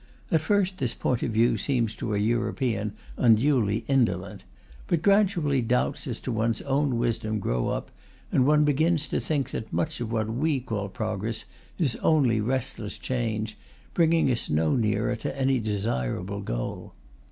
At first, this point of view seems to a European unduly indolent; but gradually doubts as to one's own wisdom grow up, and one begins to think that much of what we call progress is only restless change, bringing us no nearer to any desirable goal.